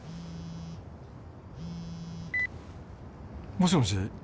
もしもし？